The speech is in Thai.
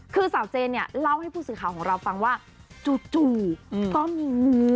คือสาวเจนเนี่ยเล่าให้ผู้สื่อข่าวของเราฟังว่าจู่ก็มีงู